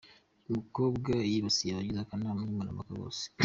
Uyu mukobwa yibasiye abagize akanama nkemurampaka bose.